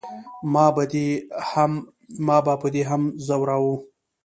ما به په دې هم زوراوه.